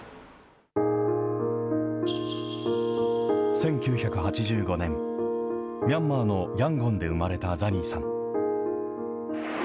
１９８５年、ミャンマーのヤンゴンで生まれたザニーさん。